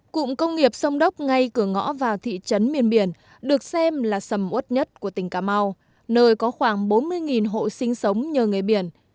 cụm công nghiệp sông đốc ngay cửa ngõ vào thị trấn miền biển được xem là sầm út nhất của tỉnh cà mau nơi có khoảng bốn mươi hộ sinh sống nhờ nghề biển